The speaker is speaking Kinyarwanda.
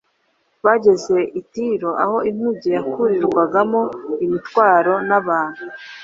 Bageze i Tiro aho inkuge yakurirwagamo imitwaro n’abantu,